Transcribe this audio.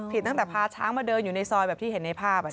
ตั้งแต่พาช้างมาเดินอยู่ในซอยแบบที่เห็นในภาพ